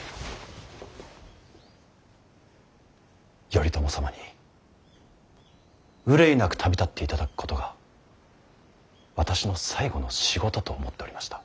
頼朝様に憂いなく旅立っていただくことが私の最後の仕事と思っておりました。